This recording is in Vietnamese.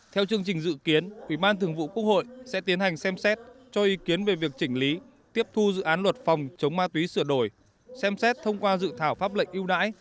theo chương trình dự kiến ủy ban thường vụ quốc hội sẽ tiến hành xem xét cho ý kiến về việc chỉnh lý tiếp thu dự án luật phòng chống ma túy sửa đổi xem xét thông qua dự thảo pháp lệnh ưu đãi